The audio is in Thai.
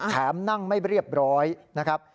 นั่งไม่เรียบร้อยนะครับ